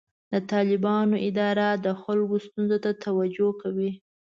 د طالبانو اداره د خلکو ستونزو ته توجه کوي.